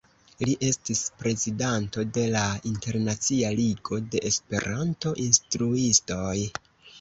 Li estis prezidanto de la Internacia Ligo de Esperanto-Instruistoj.